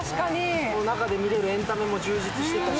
中で見れるエンタメも充実してたし。